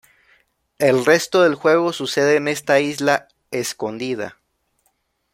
El resto del juego sucede en esta "Isla Escondida".